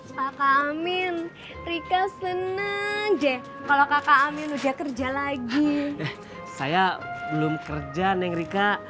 kakak amin rika senang jeh kalau kakak amin udah kerja lagi saya belum kerja neng rika